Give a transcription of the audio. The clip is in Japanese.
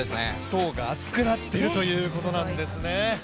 層が厚くなってるということなんですね。